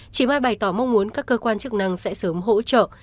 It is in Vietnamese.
chị mai bày tỏ mong muốn các cơ quan chức năng sẽ sớm hỗ trợ